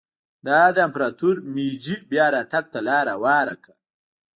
دا د امپراتور مېجي بیا راتګ ته لار هواره کړه.